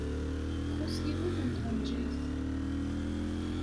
Txuṣṣ yiwet n tɣenjayt.